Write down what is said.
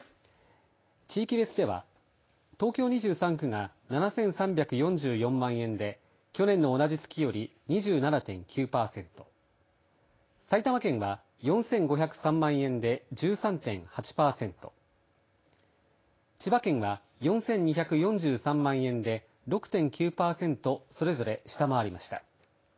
地域別では東京２３区が７３４４万円で去年の同じ月より２７．９％、埼玉県は４５０３万円で１３．８％、千葉県は４２４３万円で６．９％それぞれ下回りました。